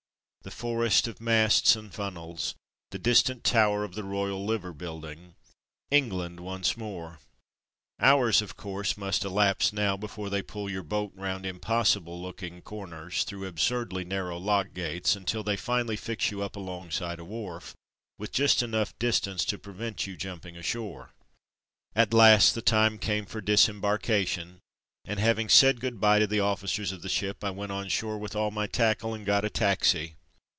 The forest of masts and funnels, the distant tower of the Royal Liver building ! England once more ! Hours, of course, must elapse now, before they pull your boat round impossible looking corners, through absurdly narrow lock gates, until they finally fix you up alongside a wharf, with just enough distance to prevent you jumping ashore. At last the time came for disembarkation, and having said good bye to the officers of the ship I went on shore with all my tackle and got a taxi.